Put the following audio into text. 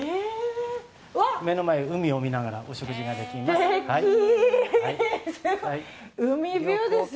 目の前、海を見ながらお食事ができます。